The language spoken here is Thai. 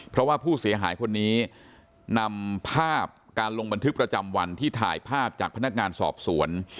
เพราะว่าผู้เสียหายคนนี้นำภาพการลงบันทึกประจำวันที่ถ่ายภาพจากพนักงานสอบสวน